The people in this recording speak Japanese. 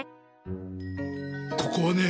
ここはね